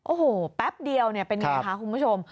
โอ้โหแป๊บเดียวเนี่ยเป็นยังไงค่ะคุณผู้ชม